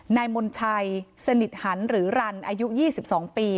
นายมนชัยสนิทหันหรือรันอายุ๒๒ปี